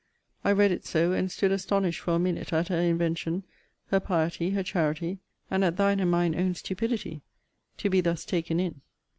I read it so, and stood astonished for a minute at her invention, her piety, her charity, and at thine and mine own stupidity to be thus taken in.